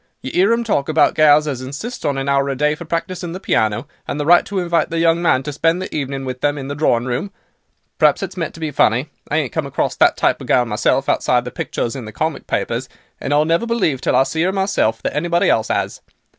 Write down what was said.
You 'ear 'em talk about gals as insists on an hour a day for practising the piano, and the right to invite their young man to spend the evening with them in the drawing room. Perhaps it is meant to be funny; I ain't come across that type of gal myself, outside the pictures in the comic papers; and I'll never believe, till I see 'er myself, that anybody else 'as.